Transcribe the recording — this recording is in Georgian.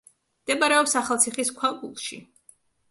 მდებარეობს ახალციხის ქვაბულში.